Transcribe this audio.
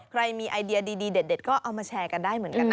ใครมีไอเดียดีเด็ดก็เอามาแชร์กันได้เหมือนกันนะ